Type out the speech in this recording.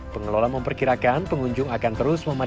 pengelola memperkirakan pengunjung akan terus berada di kolam arus